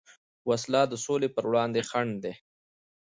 وسله د سولې پروړاندې خنډ ده